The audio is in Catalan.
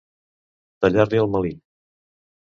Tallar-li el melic.